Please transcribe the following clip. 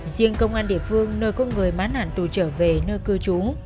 riêng công an địa phương nơi có người mán hạn tù trở về nơi cư trú